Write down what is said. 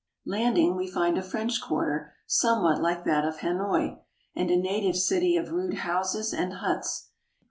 Landing, we find a French quarter somewhat like that of Hanoi and a native city of rude houses and huts.